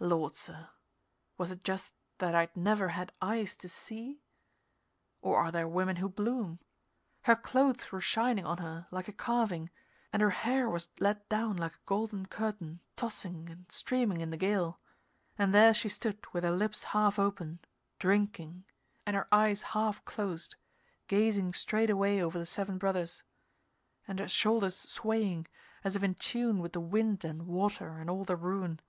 Lord, sir was it just that I'd never had eyes to see? Or are there women who bloom? Her clothes were shining on her, like a carving, and her hair was let down like a golden curtain tossing and streaming in the gale, and there she stood with her lips half open, drinking, and her eyes half closed, gazing straight away over the Seven Brothers, and her shoulders swaying, as if in tune with the wind and water and all the ruin.